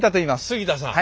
杉田さん。